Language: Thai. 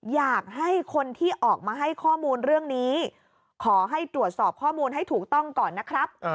อยากให้คนที่ออกมาให้ข้อมูลเรื่องนี้ขอให้ตรวจสอบข้อมูลให้ถูกต้องก่อนนะครับ